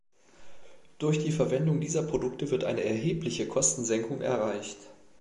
Durch die Verwendung dieser Produkte wird eine erhebliche Kostensenkung erreicht.